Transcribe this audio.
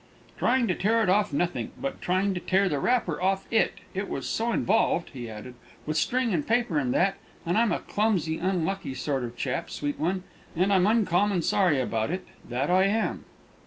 "Trying to tear it off nothink, but trying to tear the wrapper off it. It was so involved," he added, "with string and paper and that; and I'm a clumsy, unlucky sort of chap, sweet one; and I'm uncommon sorry about it, that I am!"